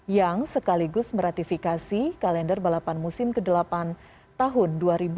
yang sekaligus meratifikasi kalender balapan musim ke delapan tahun dua ribu dua puluh satu dua ribu dua puluh dua